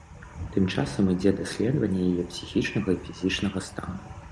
Тым часам ідзе даследаванне яе псіхічнага і фізічнага стану.